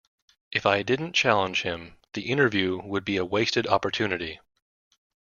If I didn't challenge him, the interview would be a wasted opportunity.